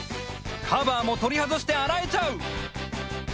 カバーも取り外して洗えちゃう！